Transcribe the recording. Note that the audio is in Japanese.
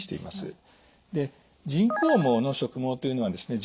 人工毛の植毛というのはですね